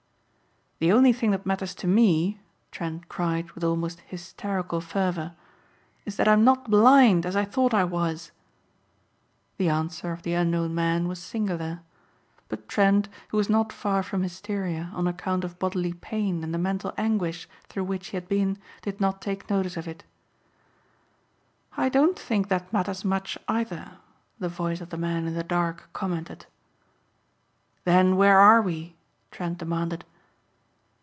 "The only thing that matters to me," Trent cried with almost hysterical fervor, "is that I'm not blind as I thought I was." The answer of the unknown man was singular; but Trent, who was not far from hysteria on account of bodily pain and the mental anguish through which he had been, did not take note of it. "I don't think that matters much either," the voice of the man in the dark commented. "Then where are we?" Trent demanded.